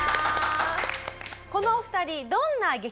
このお二人どんな激